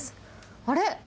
あれ？